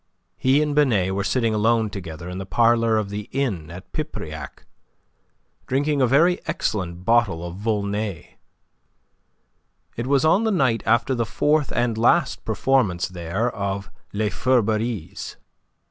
He and Binet were sitting alone together in the parlour of the inn at Pipriac, drinking a very excellent bottle of Volnay. It was on the night after the fourth and last performance there of "Les Feurberies."